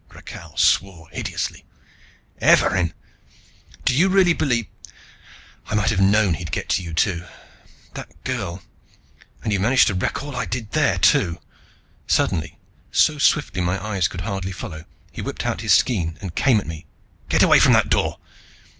Rakhal swore hideously. "Evarin! Do you really believe I might have known he'd get to you too! That girl and you've managed to wreck all I did there, too!" Suddenly, so swiftly my eyes could hardly follow, he whipped out his skean and came at me. "Get away from that door!"